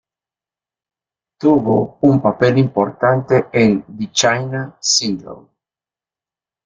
Tuvo un papel importante en "The China Syndrome".